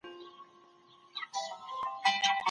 ژوند د هر چا خپل اختیار دی.